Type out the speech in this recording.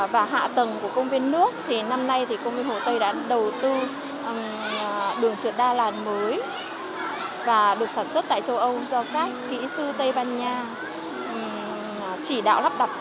và hạ tầng của công viên nước thì năm nay thì công viên hồ tây đã đầu tư đường trượt đa làn mới và được sản xuất tại châu âu do các kỹ sư tây ban nha chỉ đạo lắp đặt